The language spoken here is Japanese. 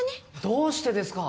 どうしてですか！？